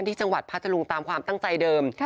จังหวัดพัทธรุงตามความตั้งใจเดิม